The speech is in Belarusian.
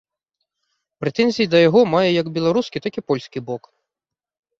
Прэтэнзіі да яго мае як беларускі, так і польскі бок.